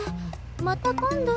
また今度。